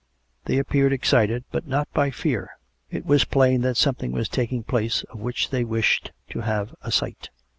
They appeared excited, but not by fear; and it was plain that something was taking place of which they wished to have a sight.